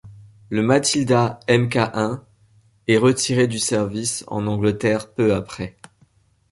Le Matilda Mk.I est retiré du service en Angleterre peu après.